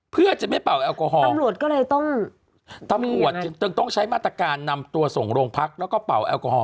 เพื่อจะไม่เป่าแอลกอฮอล์ต้องใช้มาตรการนำตัวส่งโรงพักแล้วก็เป่าแอลกอฮอล์